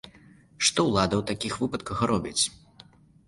Што ўлада ў такіх выпадках робіць?